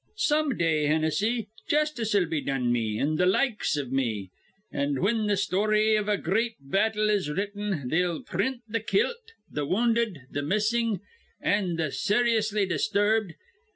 Some day, Hinnissy, justice'll be done me, an' th' likes iv me; an', whin th' story iv a gr reat battle is written, they'll print th' kilt, th' wounded, th' missin', an' th' seryously disturbed.